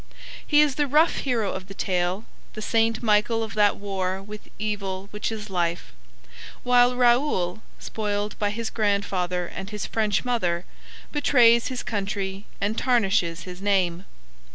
He is the rough hero of the tale, the Saint Michael of that war with evil which is life; while Raoul, spoiled by his grandfather and his French mother, betrays his country and tarnishes his name.